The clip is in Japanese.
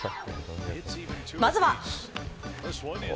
まずは。